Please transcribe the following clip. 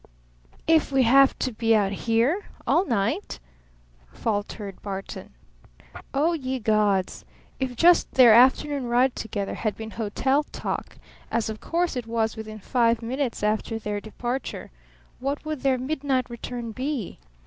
"If we have to be out here all night?" faltered Barton. Oh, ye gods! If just their afternoon ride together had been hotel talk as of course it was within five minutes after their departure what would their midnight return be?